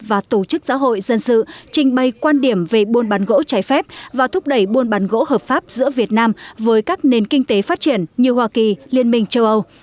và tổ chức xã hội dân sự trình bày quan điểm về buôn bán gỗ trái phép và thúc đẩy buôn bán gỗ hợp pháp giữa việt nam với các nền kinh tế phát triển như hoa kỳ liên minh châu âu